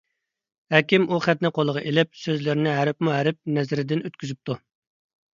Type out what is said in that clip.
ھەكىم ئۇ خەتنى قولىغا ئېلىپ، سۆزلىرىنى ھەرپمۇ ھەرپ نەزىرىدىن ئۆتكۈزۈپتۇ.